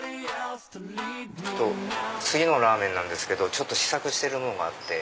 次のラーメンなんですけど試作してるのがあって。